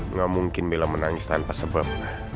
nggak mungkin mila menangis tanpa sebab